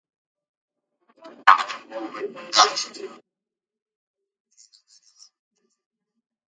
At present Mulloy is working on a trilogy based on the Christie family.